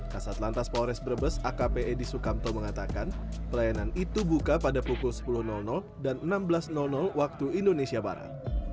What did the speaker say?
kasat lantas polres brebes akp edi sukamto mengatakan pelayanan itu buka pada pukul sepuluh dan enam belas waktu indonesia barat